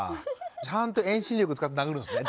ちゃんと遠心力使って殴るんですね